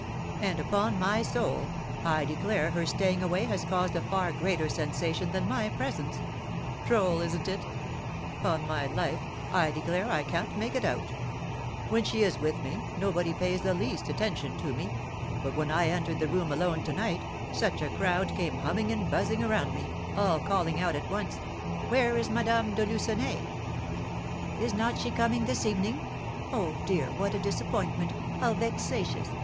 And, upon my soul, I declare her staying away has caused a far greater sensation than my presence, droll, isn't it? 'Pon my life, I declare I can't make it out. When she is with me, nobody pays the least attention to me; but when I entered the room alone to night, such a crowd came humming and buzzing around me, all calling out at once, 'Where is Madame de Lucenay? Is not she coming this evening? Oh, dear, what a disappointment! How vexatious!